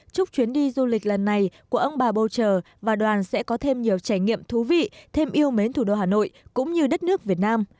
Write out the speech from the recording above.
chúc chuyến đi du lịch lần này của ông bà boucher và đoàn sẽ có thêm nhiều trải nghiệm thú vị thêm yêu mến thủ đô hà nội cũng như đất nước việt nam